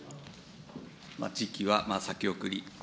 時期は先送り。